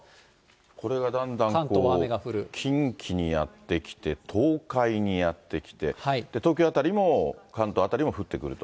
これがだんだんこう、近畿にやって来て、東海にやって来て、東京辺りも関東辺りも降ってくると。